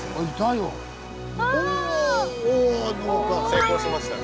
成功しましたね。